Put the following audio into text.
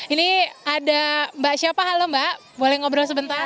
ini ada mbak siapa halo mbak boleh ngobrol sebentar